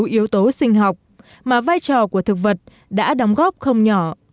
nông pháp không thể thiếu yếu tố sinh học mà vai trò của thực vật đã đóng góp không nhỏ